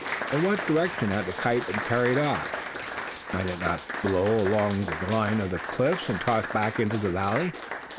In what direction had the kite been carried off? Might it not be blown along the line of cliffs, and tossed back again into the valley?